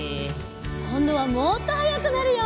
こんどはもっとはやくなるよ！